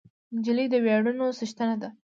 نجلۍ د ویاړونو څښتنه ده.